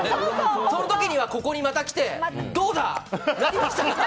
その時にはここにまた来てどうだ！って。